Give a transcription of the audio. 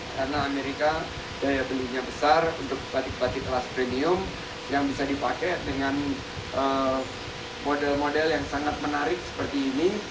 karena amerika daya belinya besar untuk batik batik kelas premium yang bisa dipakai dengan model model yang sangat menarik seperti ini